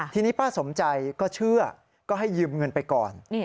ทีนี้ป้าสมใจก็เชื่อก็ให้ยืมเงินไปก่อน